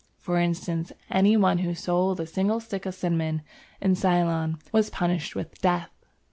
For instance, any one who sold a single stick of cinnamon in Ceylon was punished with death.